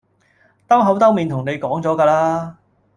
兜口兜面同你講咗㗎啦